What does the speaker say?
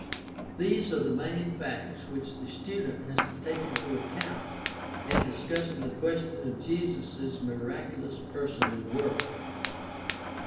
These are the main facts which the student has to take into account in discussing the question of Jesus' miraculous person and work.